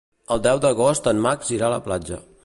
El deu d'agost en Max irà a la platja.